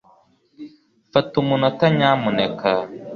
Fata umunota nyamuneka